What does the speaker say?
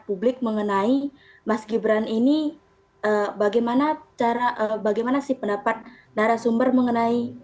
publik mengenai mas gibran ini bagaimana cara bagaimana sih pendapat narasumber mengenai